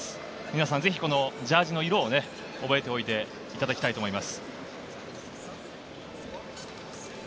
皆さん、ぜひこのジャージーの色を覚えておいていただきたいと思います。